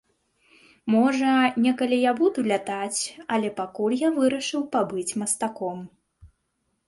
Можа, некалі я буду лятаць, але пакуль я вырашыў пабыць мастаком.